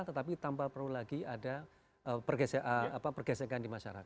tetapi tanpa perlu lagi ada pergesekan di masyarakat